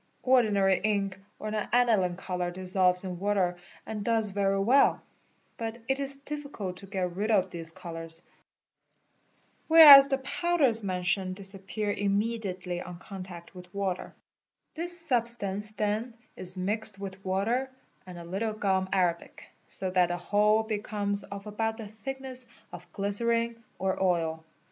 Ordinary ink or an aniline colour dissolves in water and does very well; but it is Fie AAA i RIGA SPR NEY OS ADL OAL SY AA EO AAA LD CO EPO RD difficult to get rid of these colours, whereas the powders mentioned disappear immediately on contact with water. This substance then is ~ mixed with water and a little gum: arabic, so that the whole becomes of about the thickness of glycerine or oil.